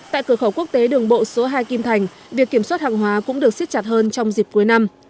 tại cửa khẩu quốc tế đường bộ số hai kim thành việc kiểm soát hàng hóa cũng được xiết chặt hơn trong dịp cuối năm